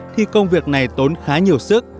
thì công việc này tốn khá nhiều sức